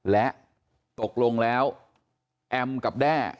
และตกลงแล้วแอมกับแด้